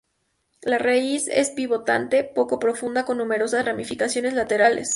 La raíz es pivotante, poco profunda con numerosas ramificaciones laterales.